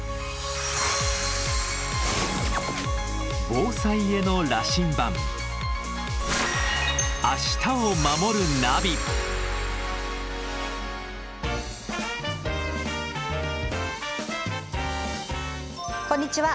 防災への羅針盤こんにちは。